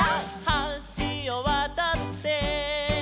「はしをわたって」